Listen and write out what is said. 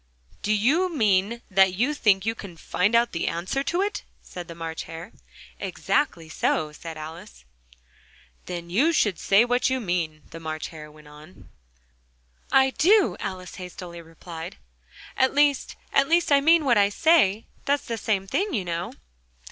"Do you mean that you think you can find out the answer to it?" said the March Hare. "Exactly so," said Alice. "Then you should say what you mean," the March Hare went on. "I do," Alice hastily replied; "at least at least I mean what I say that's the same thing, you know."